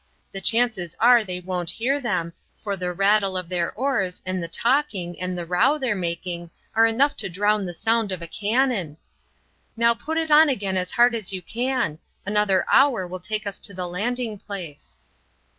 The chances are they won't hear them, for the rattle of their oars and the talking and the row they're making are enough to drown the sound of a cannon. Now put it on again as hard as you can. Another hour will take us to the landing place."